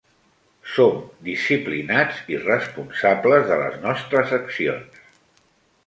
Som disciplinats i responsables de les nostres accions.